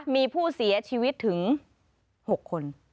มีผู้เสียชีวิตถึง๖คน